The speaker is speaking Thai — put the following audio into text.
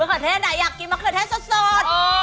เขือเทศไหนอยากกินมะเขือเทศสด